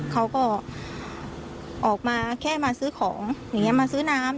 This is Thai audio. เขาก็ออกมาแค่มาซื้อของอย่างนี้มาซื้อน้ำ